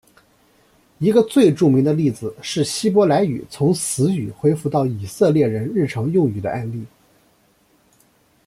一个最著名的例子是希伯来语从死语恢复到以色列人日常用语的案例。